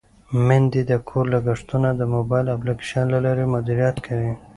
میندې د کور لګښتونه د موبایل اپلیکیشن له لارې مدیریت کوي.